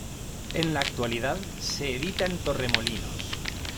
En la actualidad se edita en Torremolinos.